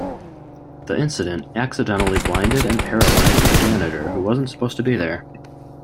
The incident accidentally blinded and paralyzed a janitor who wasn't supposed to be there.